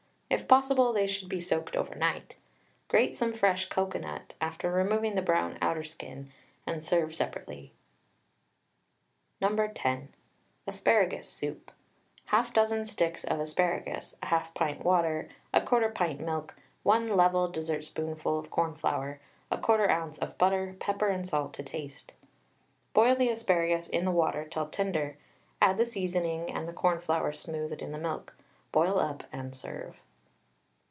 If possible, they should be soaked over night. Grate some fresh cocoanut, after removing the brown outer skin, and serve separately. No. 10. ASPARAGUS SOUP. 1/2 dozen sticks of asparagus, 1/2 pint water, 1/4 pint milk, 1 level dessertspoonful of cornflour, 1/4 oz. of butter, pepper and salt to taste. Boil the asparagus in the water till tender, add the seasoning, and the cornflour smoothed in the milk, boil up and serve.